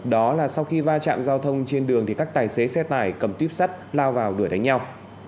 đó là sau khi va chạm giao thông trên đường thì các tài xế xe tải cầm tuyếp sắt lao vào đuổi đánh nhau